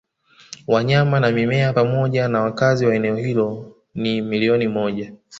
wanyama na mimea pamoja nawakazi wa eneo hilo ni milioni moja